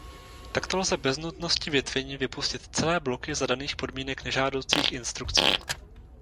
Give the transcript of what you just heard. Takto lze bez nutnosti větvení vypustit celé bloky za daných podmínek nežádoucích instrukcí.